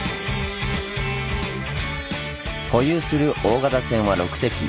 保有する大型船は６隻。